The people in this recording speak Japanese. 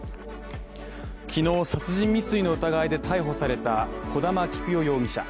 きのう殺人未遂の疑いで逮捕された小玉喜久代容疑者